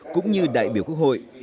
cũng như đại biểu quốc hội